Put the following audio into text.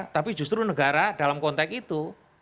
tapi justru negara dalam konteks itu